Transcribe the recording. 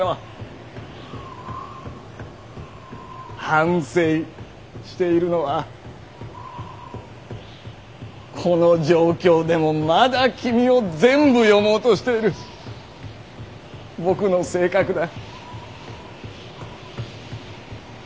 「反省」しているのはこの状況でもまだ君を全部読もうとしている僕の性格だ。